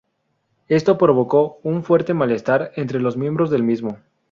Esto provocó un fuerte malestar entre los miembros del mismo.